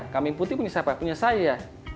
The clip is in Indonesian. kambing putih punya siapa punya saya